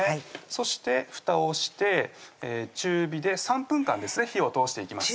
そしてふたをして中火で３分間ですね火を通していきます